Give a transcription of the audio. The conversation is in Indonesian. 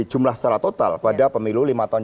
jumlah secara total pada pemilu lima tahun